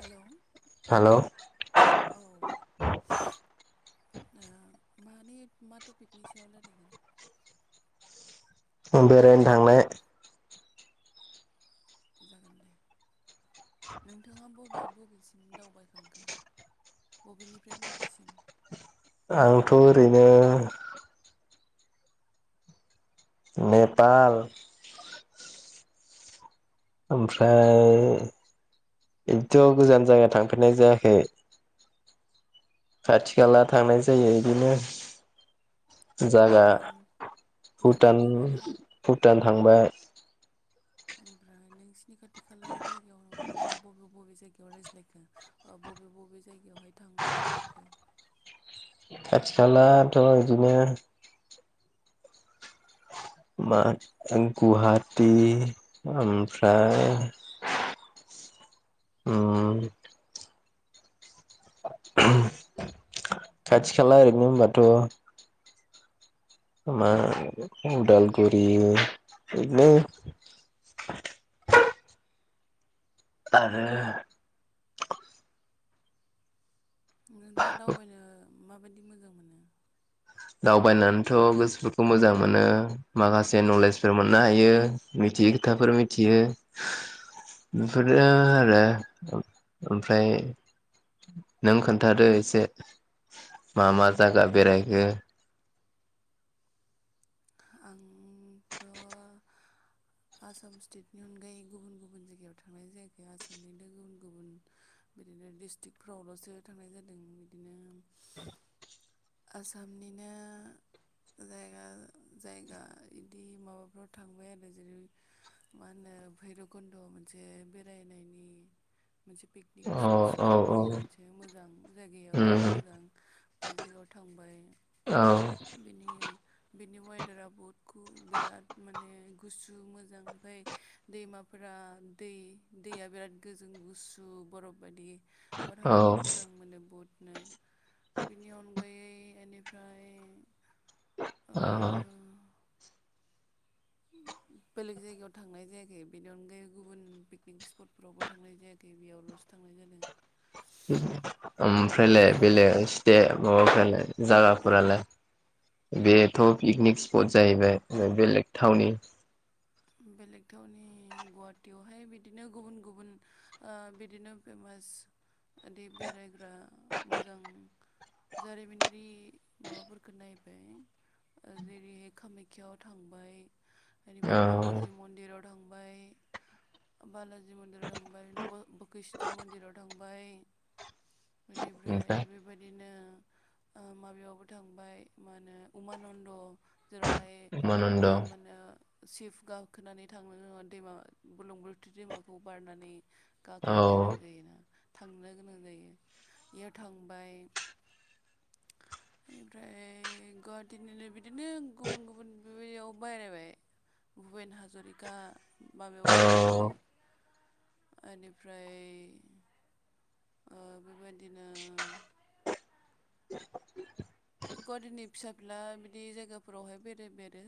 हेल' हेल' औ मानि मा टपिकनि सायाव रायलायगोन बेरायनो थांनाय जागोन दे नोंथाङा बबे बबेसिम दावबायखांखो बबेनिफ्राय बबेसिम आंथ' ओरैनो नेपाल ओमफ्राय बिदिथ' गोजान जायगायाव थांफेरनाय जायाखै खाथि खाला थांनाय जायो इदिनो जो जागा भुटान भुटान थांफेरबाय ना भुटान थांबाय बेनिफ्राय नोंसि नि खाथि खाला जायगायावनो नों बबे बबे जायगायाव रायज्लायखो ओ बबे बबे जायगायावहाय थां थांफेरखो खाथि खालाथ' इदिनो मा गुवाहाटी ओमफ्राय उम खाथि खाला ओरैनो होनबाथ' मा उदालगुरि बिदिनो आरो नोंथाङा दावबायनो माबायदि मोजां मोनो दावबायनानैथ' गोसोफोरखौ मोजां मोनो माखासे नलेजफोर मोननो हायो मिथियै खोथाफोर मिथियो बेफोरनो आरो ओमफ्राय नों खोन्थादो एसे मा-मा जागा बेरायखो आंथ' आसाम स्टेटनि अनगायै गुबुन गुबुन जायगायाव थांनाय जायाखै आसामनिनो गुबुन गुबुन बिदिनो डिस्ट्रिकफ्रावल'सो थांनाय जादों बिदिनो आसामनिनो जायगा जायगा इदि माबाफ्राव थांबाय आरो जेरै मा होनो भैरबकुन्द' मोनसे बेरायनायनि मोनसे पिकनिक अ औ स्पट औ बियो मोनसे मोजां जायगाया बहुत उम मोजां बे जायगायाव थांबाय औ बिनि बेनि वेदारा बहुत कु बिराद माने गुसु मोज जां ओमफाय दैमाफोरा दै दैया बिराद गोजों गुसु बरफ बादि बाव औ थांनानै मोजां मोनो बहुत नो बिनि अनगायै इनिफ्राय अ बेलेग जायगायाव थांनाय जायाखै बेनि अनगायै गुबुन पिकनिक स्पटफोरावबो थांनाय जायाखै बेयावल'सो थांनाय जादों ओमफ्रायलाय बेलेग स्टे माबाफोरालाय जागाफोरालाय बेथ' पिकनिक स्पट जाहैबाय बेलेग थावनि बेलेग थावनि गुवाहाटीयावहाय बिदिनो गुबुन गुबुन ओ बिदिनो फेमास इदि बेरायग्रा मोजां जारिमिनारि माबाफोरखौ नायबाय जेरैहाय कामाख्यायाव थांबाय औ बालााजि मन्दिराव थांबाय बालाजि मन्दिराव थांबाय बकिस्थ मन्दिराव थांबाय बेनिफ्राय ओमफ्राय बेबायदिनो ओ माबायावबो थांबाय मा होनो उमानन्द जेरावहाय उमानन्द ओ औ मानो सिफ गाखोनानै थांनो दैमा बुरलुंबुथुर दैमाखौ बारनानै गाखोहैनो गोनां औ जायोना थांनो गोनां जायो इयाव थांबाय इनिफ्राय गुवाहाटीनिनो बिदिनो गुबुन गुबुन बेबायदियाव बेरायबाय भुपेन हाज'रिका माबायावबो थांबाय इनिफ्राय ओ बेबायदिनो गुवाहाटीनि फिसा फेनला बिदि जायगाफोरावहाय बेरायबाय आरो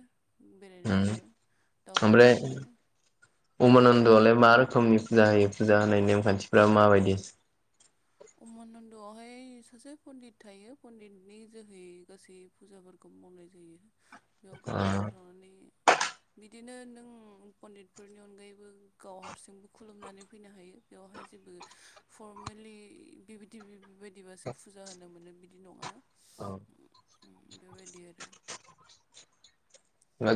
उम बेरायनायालाय दावबायखांबाय उमानन्दआलाय मा रोखोमनि फुजा होयो फुजा होनाय नेमखान्थिफ्रा माबायदि उमानन्दआवहाय सासे पन्डित थायो पन्डितनि जोहै गासै फुजाफोरखौ मावनाय जायो बेयाव गावबा गाव थांनानै बिदिनो नों पन्डितफोरनि अनगायैबो गाव हारसिंबो खुलुमनानै फैनो हायो बेवहाय जेबो फरमेलि बेबायदि बेबायदिबासो फुजा होनो मोनो बिदि नङा बेबायदि आरो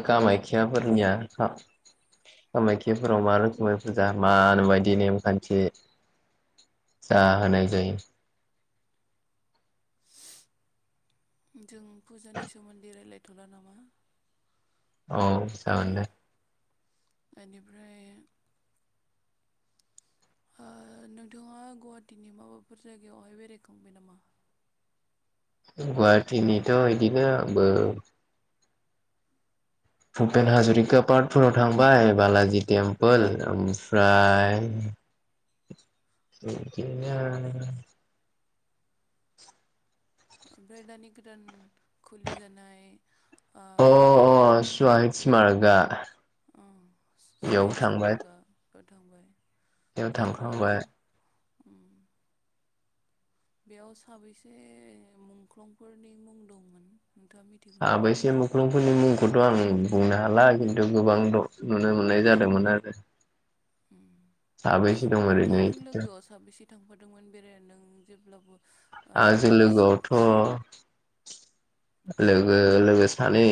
कामाख्याफोरनिया कामाख्याफोराव मा रोखोमै फुजा मा नो बायदि नेमखान्थि आ होनाय जायो जों फुजानि सोमोन्दै रायलायथ'ला नामा औ जागोन दे। बेनिफ्राय ओ नोंथाङा गुवाहाटिनि माबाफोर जायगायावहाय बेरायखांबाय नामा? गुवाहाटिनिथ' बिदिनो आंबो भुपेन हाज'रिका पार्कफोराव थांबाय बालाजि टेम्पोल ओमफ्राय बिदिनो ओमफ्राय दानि गोदान खुलि जानाय अ अ सवाहिदस मारगा अ सहित समारगा। थांबाय बेयाव थांखांबाय। उम बेयाव साबैसे मुंख्लंफोरनि मुं दंमोन? नोंथाङा मिथिगौ नामा? साबैसे मुंख्लंफोरनि मुं बेखौथ' आं बुंनो हाला खिन्थु गोबां नुनो मोननाय जादोंमोन आरो। साबैसे दं ओरैनो नोंथांजों लोगोआव साबेसे थांफादोंमोन बेराय नों जेब्लाबो ओ आंजों लोगोआवथ' लोगो लोगो सानै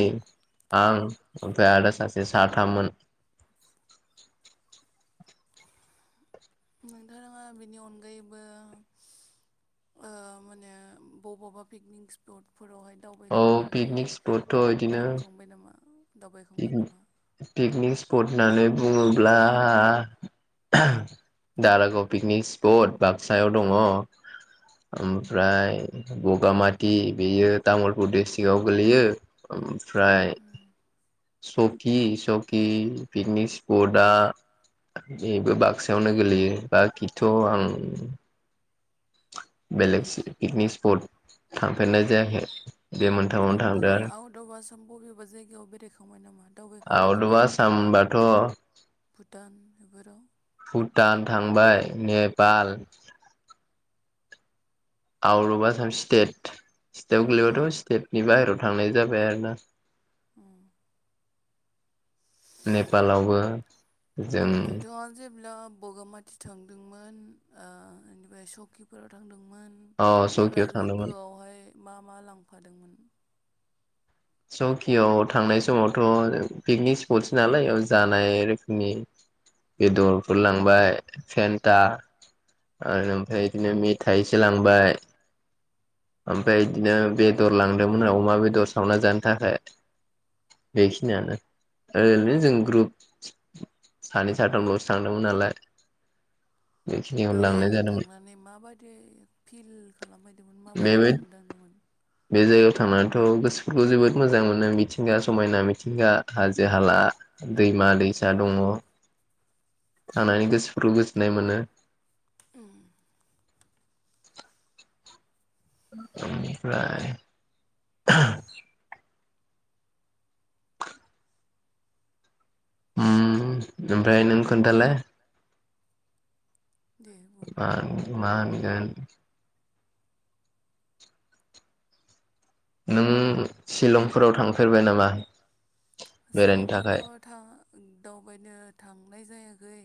आं ओमफ्राय आदा सासे साथामोन। नोंथाङा बेनि अनगायैबो ओ मानो बबावबा पिकनिक स्पट फोरावहाय औ दावबायखांनानै पिकनिक थांखांबाय नामा? दावबायखांबाय नामा? पिकनिक पिकनिक स्पट होननानै बुङोब्ला दारागाव पिकनिक स्पट बाक्सायाव दङ ओमफ्राय बगामाथि बेयो तामुलपुर डिस्ट्रिक्आव गोलैयो ओम फ्राय सकि सकि पिकनिक स्पटआ बेबो बाक्सायावनो गोलैयो बा खिथ' आं बेलेग पिकनिक स्पट थांफेरनाय जायाखै। बे उम मोनथामावनो थांदो नोंथाङा आरो। आउट अफ आसाम बबेबा जायगायाव बेरायखांबाय नामा? दावबायखांबाय आउट अब नामा? आसाम बाथ' भुटान बेफोराव भुटान थां बाय Nepal out of Assam state स्टेटाव गोल्लैबाथ' स्टेटनि बाहेरायाव थांनाय जाबाय आरोना। उम नेपालावबो जों जेब्ला बगामाथि थांदोंमोन ओ बेनिफ्राय सकिफोराव थांदोंमोन। अ अब्ला सकियाव थांदोंमोन लोगोआवहाय मा मा लांफादोंमोन? सौकियाव थांनाय समावथ' पिकनिक स्पटसो नालाय जानाय रोखोमनि बेदरफोर लांबाय फेन्टा आरो ओमफ्राय बिदिनो मेथाइ एसे लांबाय ओमफ्राय बिदिनो बेदर लांदोंमोन अमा बेदर सावना जानो। थाखाय बेखिनियानो ओरैनो जों ग्रुप सानै साथामल'सो थांदोंमोन नालाय। बै बेखिनिखौनो लांनाय जायगायाव जादोंमोन थांनानै माबायदि फिल खालामहैदोंमोन माबायदि बेबो मोनदांदोंमोन? बे जायगायाव थांनानैथ' गोसोफोरखौ जोबोद मोजां मोनो मिथिंगा समायना मिथिंगा हाजो-हाला दैमा-दैसा दङ'। थानानै गोसोफोरखौ गोजोननाय मोनो। उम बेनिफ्राय ओम‌ ओमफ्राय नों खोथालाय। दे बुं मां मान ओं नों शिलंफोराव थांफेरबाय नामा? बेरायनो थाखाय शिलंआवथ' थां दावबायनो थांनाय जायाखै।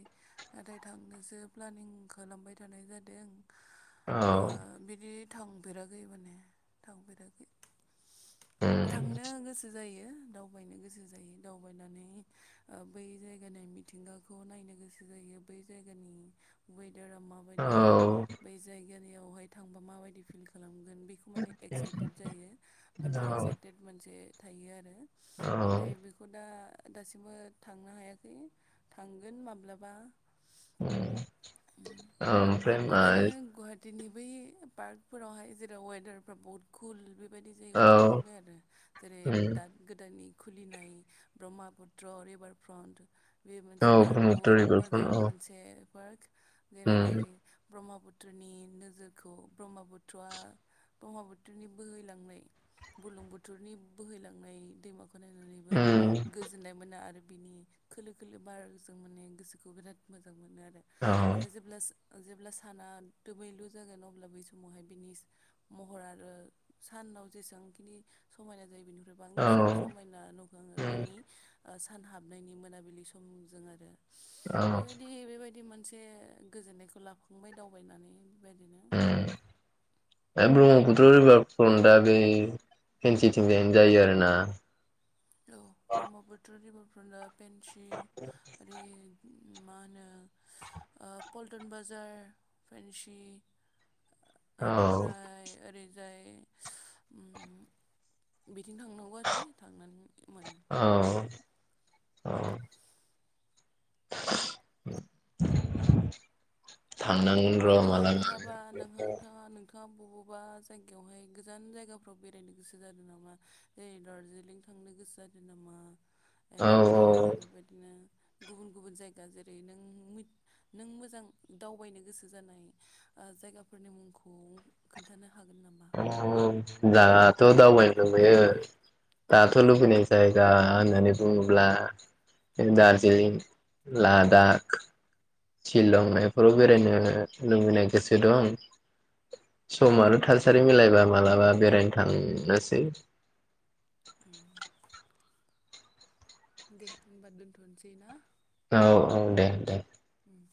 नाथाय थांनोसो प्लानिं खालामबाय थानाय जादों। ओ बिदि औ थांफेराखै माने थांफेराखै। उम थांनो गोसो जायो। दावबायनो गोसो। दावबायनानै बै जायगानि मिथिंगाखौ नायनो गोसो जायो बै जायगानि दोरा औ माबायदि बै जायगा बिगानि [unintelligible] यावहाय थांबा माबायदि फिल खालाम गोन बेखौ माने एक्साइटेड जायो मोनसे एक्साइटेड मोनसे थायो आरो। औ ओमफ्राय बेखौ दा दासिमबो थांनो हायाखै थांगोन माब्लाबा ओम ओमफ्राय होनबा दिनै बै पार्कफोरावहाय जेराव वेदारफ्रा बहुत कुल बे बेबायदि जायगायाव औ थांखांबाय आरो जेरै उम दा गोदोनि खुलिनाय ब्रह्मपुत्र रिभार फ्रन्ट बे औ मोनसे दा ब्रह्मपुत्र बहुत मोजां रिभारफ्रन्ट औ मोनसे [unintelligible] उम जेरावहाय ब्रह्मपुत्रनि नोजोरखौ ब्रह्मपुत्रया ब्रह्मपुत्रनि बोहैलांनाय बुरलुंबुथुरनि बोहैलांनाय दैमाखौ नायनानैबो उम गोजोननाय मोनो आरो। बिनि खोलो खोलो बार जों माने गोसोखौ बिराद मोजां मोनो आरो। औ औ आरो जेब्लासिम जेब्ला साना दोमैलु जागोन अब्ला बै समावहाय बिनि महर आरो सानाव जेसेबांखिनि समायना जायो बेनि उम बांसिन औ उम समायना नुखाङो बिनि ओ सान हाबनायनि मोनाबिलि समजों आरो औ बिदि मोनसे गोजोननायखौ लाबखांबाय दावबायनानै बेबायदिनो बे ब्रह्मपुत्र रिभार फ्रन्टा बे फेनसि थिंजायनो जायो आरो ना? औ ब्रह्मपुत्र रिभार फ्रन्टा पेनसि आरो मा होनो पल्टन बाजार फेन्सि ओ औ बेनिफ्राय ओरै- जाय उम बिथिं थांनांगौ आरो थांनानै औ औ थांनांगोन र' नोंथाङा मालाबा बहाबा नोंहांथाङा नों थाङा बबबा जायगायावहाय गोजान जायगाफ्राव बेरायनो गोसो जादों नामा जेरै दार्जिलिं थांनो गोसो जादो नामा? औ औ एनिफ्राय बेबायदिनो गुबुन गुबुन जायगा जेरै नों मि नों मोजां दावबायनो गोसो जानाय ओ जायगाफोरनि मुंखौ खोन्थानो हागोन नामा? अ जागाथ' दावबायनो लुबैयो दाथ' लुबैनाय जायगा होननानै बुङोब्ला दार्जिलिं लादाख शिलं बेफोराव बेरायनो लुबैनाय गोसो दं सम आरो थासारि मिलायबा मालाबा बेरायनो थांनोसै उम दे होनबा दोनथ'नोसै ना औ औ दे दे उम